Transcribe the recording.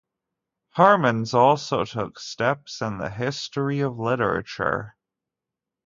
Hermans also took steps in the history of literature.